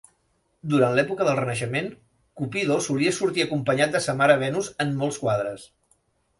Durant l'època del Renaixement, Cupido solia sortir acompanyat de sa mare Venus en molts quadres.